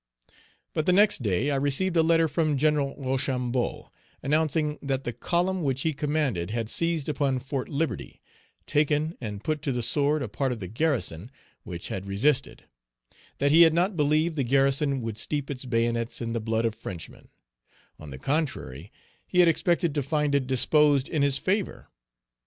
But, the next day, I received a letter from Gen. Rochambeau, announcing "that the column which he commanded had seized upon Fort Liberty, taken and put to the sword a part of the garrison, which had resisted; that he had not believed the garrison would steep its bayonets in the blood of Frenchmen; on the contrary, he had expected to find it disposed in his favor."